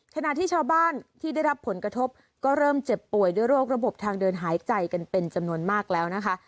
ขณะที่ชาวบ้านที่ได้รับผลกระทบก็เริ่มเจ็บป่วยด้วยโรคระบบทางเดินหายใจกันเป็นจำนวนมากแล้วนะคะ